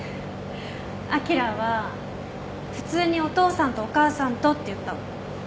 あきらは「普通にお父さんとお母さんと」って言ったの。